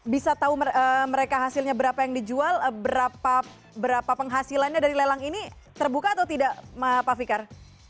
bisa tahu mereka hasilnya berapa yang dijual berapa penghasilannya dari lelang ini terbuka atau tidak pak fikar